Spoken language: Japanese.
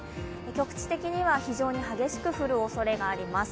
局地的には非常に激しく降るおそれがあります。